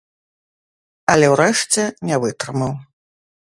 Але ўрэшце не вытрымаў.